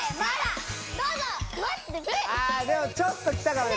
あでもちょっときたかもね。